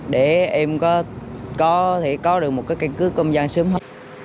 để em có thể có được một cái căn cứ công dân sớm hơn